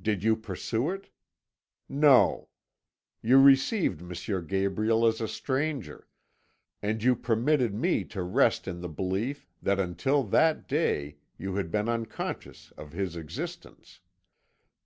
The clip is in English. Did you pursue it? No; you received M. Gabriel as a stranger, and you permitted me to rest in the belief that until that day you had been unconscious of his existence.